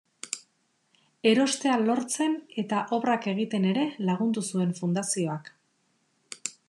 Erostea lortzen eta obrak egiten ere lagundu zuen fundazioak.